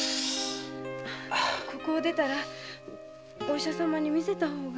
ここを出たらお医者様に診せた方が。